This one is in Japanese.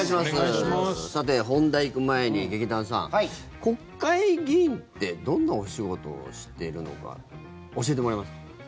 さて、本題に行く前に劇団さん、国会議員ってどんなお仕事をしてるのか教えてもらえますか？